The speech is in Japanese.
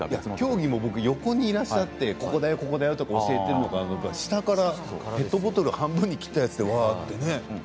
競技も横にいらっしゃってここだよと教えるのかと思ったら下からペットボトルを半分に切ってやつで、うわあって。